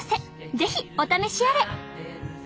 是非お試しあれ！